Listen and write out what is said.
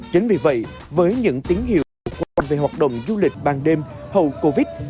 chính vì vậy với những tín hiệu lạc quan về hoạt động du lịch ban đêm hầu covid